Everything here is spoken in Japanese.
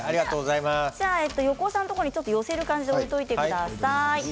横尾さんのところに寄せる感じで置いてください。